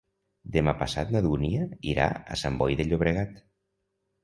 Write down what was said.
Demà passat na Dúnia irà a Sant Boi de Llobregat.